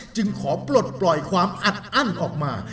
จึงขอปลดปล่อยความอัดอั้นออกมา